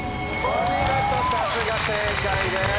お見事さすが正解です。